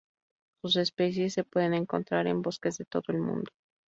Sus especies se pueden encontrar en bosques de todo el mundo.